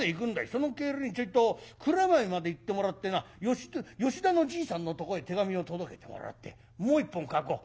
その帰りにちょいと蔵前まで行ってもらってな吉田のじいさんのとこへ手紙を届けてもらってもう一本書こう。